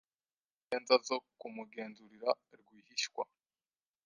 Yaje gushyiraho ingenza zo kumugenzurira rwihishwa